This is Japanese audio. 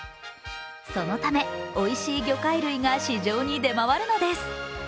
そのためおいしい魚介類が市場に出回るのです。